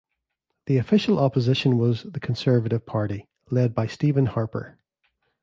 The Official Opposition was the Conservative Party, led by Stephen Harper.